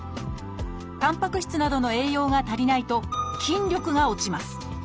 たんぱく質などの栄養が足りないと筋力が落ちます。